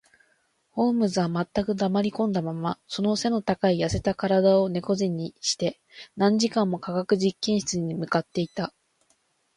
ホームズは全く黙りこんだまま、その脊の高い痩せた身体を猫脊にして、何時間も化学実験室に向っていた